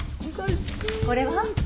これは？